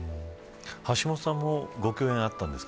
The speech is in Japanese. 橋下さんもご共演はあったんですか。